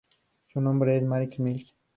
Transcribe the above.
Su nombre es Mariah Mills.